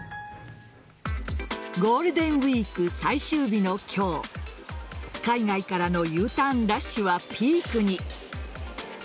ゴールデンウイーク最終日の今日海外からのＵターンラッシュはピークに。